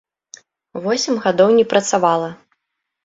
Восем гадоў не працавала.